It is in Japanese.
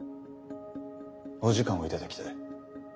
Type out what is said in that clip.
お時間を頂きたい。